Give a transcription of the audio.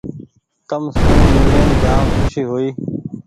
تم سون مي لين جآم کوشي هوئي ۔